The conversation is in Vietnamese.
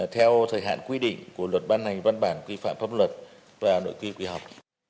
theo thời hạn quy định của luật ban hành văn bản quy phạm pháp luật và nội quy quy học